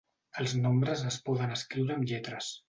Els nombres es poden escriure amb lletres.